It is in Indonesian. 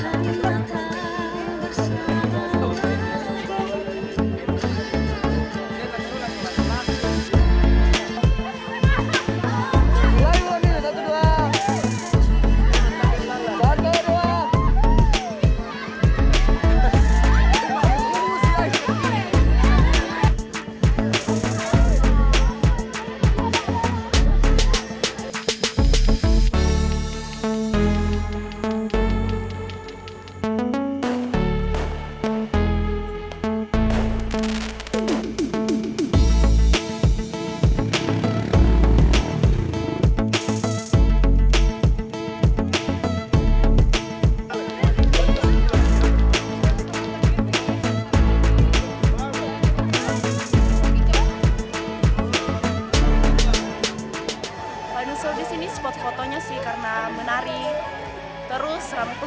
paling seru disini spot fotonya sih karena menari terus ramah pengunjung jadi seru